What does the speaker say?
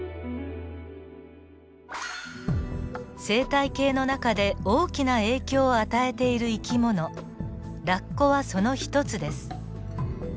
生態系の中で大きな影響を与えている生き物ラッコはその一つです。